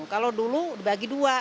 kalau dulu dibagi dua